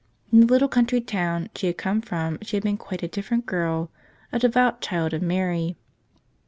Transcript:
In the little country town she had come from she had been quite a different girl —a devout child of Mary.